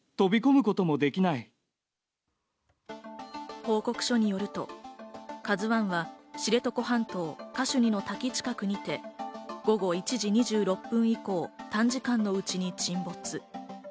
報告書によると、「ＫＡＺＵ１」は知床半島・カシュニの滝近くにいて、午後１時２６分以降、短時間のうちに沈没。